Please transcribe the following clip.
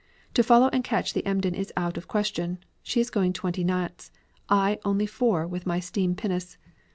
To follow and catch the Emden is out of question. She is going twenty knots, I only four with my steam pinnace.